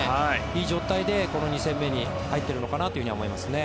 いい状態で２戦目に入っているのかなと思いますね。